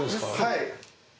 はい。